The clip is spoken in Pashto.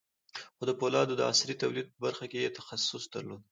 خو د پولادو د عصري توليد په برخه کې يې تخصص درلود.